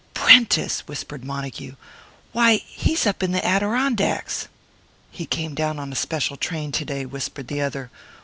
"Prentice!" whispered Montague. "Why, he's up in the Adirondacks!" "He came down on a special train to day," whispered the other.